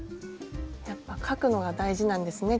やっぱ描くのが大事なんですね